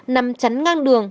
nằm chắn ngang đường